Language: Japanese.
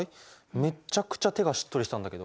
めっちゃくちゃ手がしっとりしたんだけど。